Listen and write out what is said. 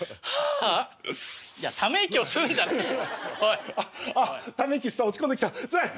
あっため息吸ったら落ち込んできた。